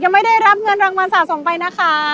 ไม่ได้รับเงินรางวัลสะสมไปนะคะ